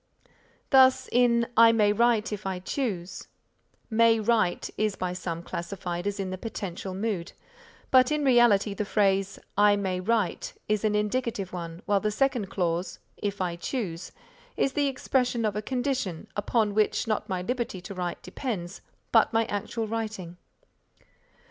Thus, in "I may write if I choose," "may write" is by some classified as in the potential mood, but in reality the phrase I may write is an indicative one while the second clause, if I choose, is the expression of a condition upon which, not my liberty to write, depends, but my actual writing.